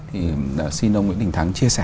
thì xin ông nguyễn đình thắng chia sẻ